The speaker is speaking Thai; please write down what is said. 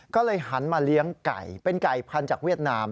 ก็เลยหันมาเลี้ยงไก่เป็นไก่พันธุ์จากเวียดนาม